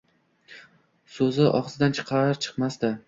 So‘zi og‘zidan chiqar-chiqmasdi